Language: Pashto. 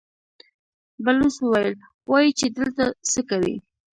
بلوڅ وويل: وايي چې دلته څه کوئ؟